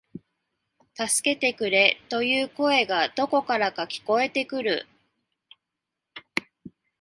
助けてくれ、という声がどこからか聞こえてくる